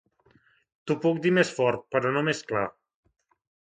T'ho puc dir més fort però no més clar